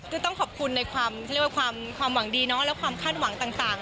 ก็ต้องขอบคุณในความหวังดีและความคาดหวังต่าง